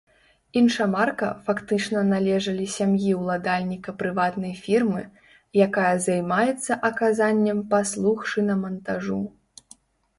Іншамаркі фактычна належалі сям'і ўладальніка прыватнай фірмы, якая займаецца аказаннем паслуг шынамантажу.